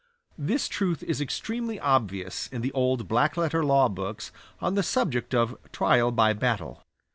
This truth is extremely obvious in the old black letter lawbooks on the subject of "trial by battel."